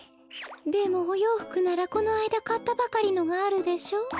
でもおようふくならこのあいだかったばかりのがあるでしょ？